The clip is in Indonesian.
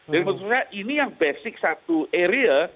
jadi menurut saya ini yang basic satu area